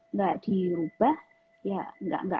nggak dirubah ya nggak